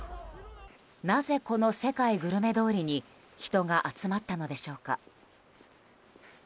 なぜこの世界グルメ通りに人が集まったのでしょうか。